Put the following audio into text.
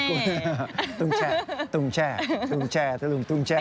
ตุ้งแช่ตุ้งแช่ตุงแช่ตะลุงตุ้งแช่